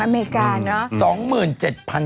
อเมริกาเนอะ